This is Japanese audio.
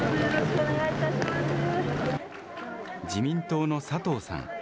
自民党の佐藤さん。